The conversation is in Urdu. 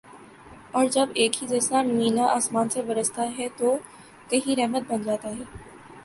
اور جب ایک ہی جیسا مینہ آسماں سے برستا ہے تو کہیں رحمت بن جاتا ہے